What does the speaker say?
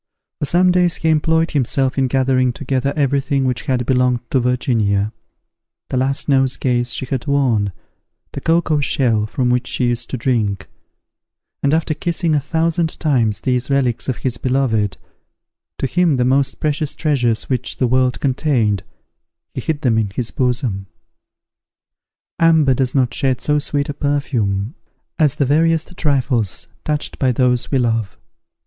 For some days he employed himself in gathering together every thing which had belonged to Virginia, the last nosegays she had worn, the cocoa shell from which she used to drink; and after kissing a thousand times these relics of his beloved, to him the most precious treasures which the world contained, he hid them in his bosom. Amber does not shed so sweet a perfume as the veriest trifles touched by those we love.